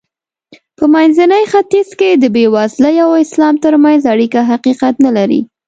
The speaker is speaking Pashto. په منځني ختیځ کې د بېوزلۍ او اسلام ترمنځ اړیکه حقیقت نه لري.